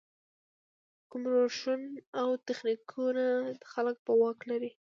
کوم روشونه او تخنیکونه خلک په واک کې لري.